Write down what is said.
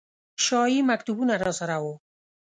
شاهي مکتوبونه راسره وو.